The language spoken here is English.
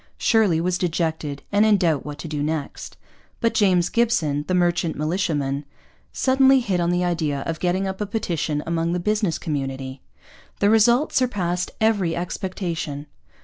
Shirley was dejected and in doubt what to do next. But James Gibson, the merchant militiaman, suddenly hit on the idea of getting up a petition among the business community. The result surpassed every expectation.